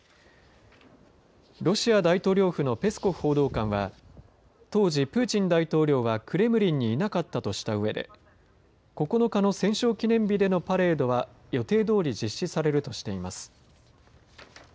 ロシア大統領府のペスコフ報道官は当時、プーチン大統領はクレムリンにいなかったとしたうえで９日の戦勝記念日でのパレードは予定どおり実施されるとしています。